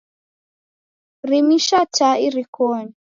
Rimisha taa irikonyi.